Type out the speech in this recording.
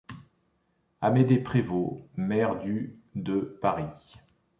Amédée Prévost, maire du de Paris.